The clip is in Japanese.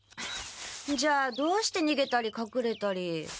じゃあどうしてにげたりかくれたり。